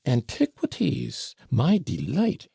Antiquities! my delight!